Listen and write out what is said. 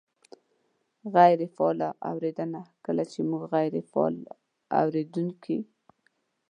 -غیرې فعاله اورېدنه : کله چې مونږ غیرې فعال اورېدونکي